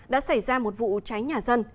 đã xảy ra một vụ trái nhà dân